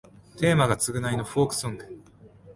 テーマが償いのフォークソング